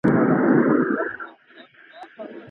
که د خپلو ميرمنو له جملې څخه يوې ته اشاره وکړي.